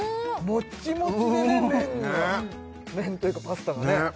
もっちもちでね麺が麺というかパスタがね